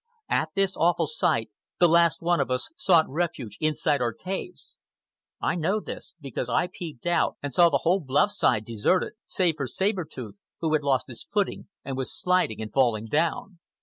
At this awful sight, the last one of us sought refuge inside our caves. I know this, because I peeped out and saw the whole bluff side deserted, save for Saber Tooth, who had lost his footing and was sliding and falling down.